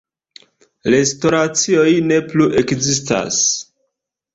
Restoracioj ne plu ekzistas.